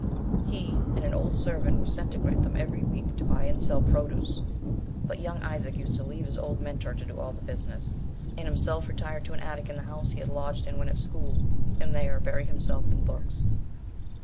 He and an old servant were sent to Grantham every week to buy and sell produce, but young Isaac used to leave his old mentor to do all the business, and himself retire to an attic in the house he had lodged in when at school, and there bury himself in books.